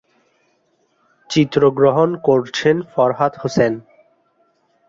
চিত্র গ্রহণ করছেন ফরহাদ হোসেন।